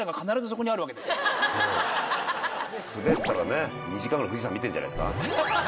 スベったら２時間ぐらい富士山見てんじゃないですか。